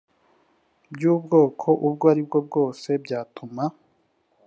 by ubwoko ubwo aribwo bwose byatuma